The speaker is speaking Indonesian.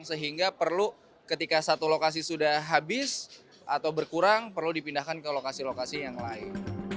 sehingga perlu ketika satu lokasi sudah habis atau berkurang perlu dipindahkan ke lokasi lokasi yang lain